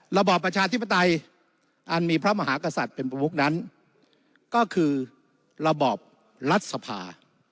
ระบอบประชาธิปไตยอันมีพระมหากษัตริย์เป็นประมุกนั้นก็คือระบอบรัฐสภา